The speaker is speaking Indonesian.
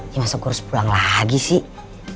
ya masa gua harus pulang lagi sih